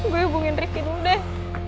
gue hubungin trikin dulu deh